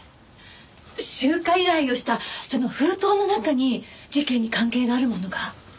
集荷依頼をしたその封筒の中に事件に関係があるものが？